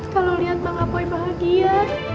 kalau lihat bang apoy bahagia